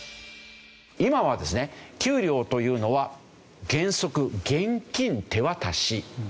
今はですね給料というのは原則現金手渡し。